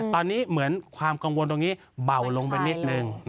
ตอนนี้เหมือนความกังวลตรงนี้เบาลงไปนิดนึง